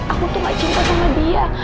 aku tuh gak cinta sama dia